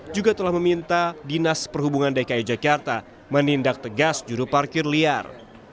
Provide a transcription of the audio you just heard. juga telah meminta dinas perhubungan dki jakarta menindak tegas juru parkir liar